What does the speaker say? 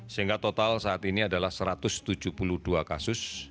sehingga total saat ini adalah satu ratus tujuh puluh dua kasus